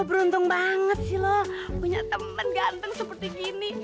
beruntung banget sih lo punya teman ganteng seperti gini